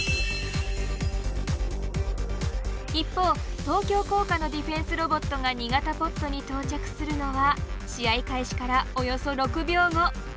一方東京工科のディフェンスロボットが２型ポットに到着するのは試合開始からおよそ６秒後。